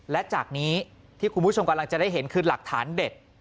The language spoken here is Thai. และจากนี้ที่คุณผู้ชมกำลังจะได้เห็นคือหลักฐานเด็ด